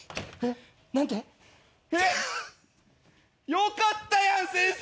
よかったやん先生